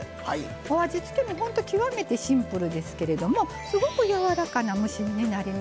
お味付けもほんと極めてシンプルですけれどもすごくやわらかな蒸し煮になります。